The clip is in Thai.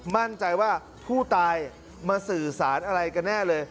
มั่นใจว่าผู้ตายมาสื่อสารอะไรกันแน่เลย